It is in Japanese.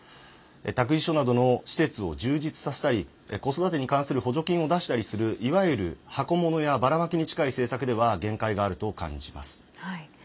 託児所などの施設を充実させたり子育てに関する補助金を出したりするいわゆる箱物や、ばらまきに近い政策では限界があると感じます。